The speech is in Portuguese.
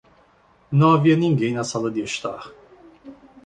Não havia ninguém na sala de estar.